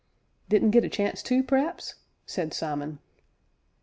"Didn't git a chance to, p'r'aps?" said Simon.